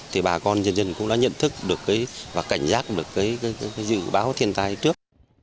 thì bà con dân dân cũng đã nhận thức được và cảnh giác được cái dự báo thiên tai trước